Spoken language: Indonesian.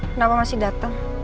kenapa masih dateng